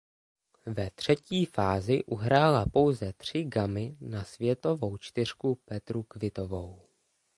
Ve třetí fázi uhrála pouze tři gamy na světovou čtyřku Petru Kvitovou.